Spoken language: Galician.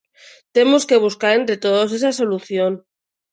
Temos que buscar entre todos esa solución.